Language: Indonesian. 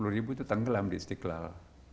sepuluh ribu itu tenggelam di istiqlal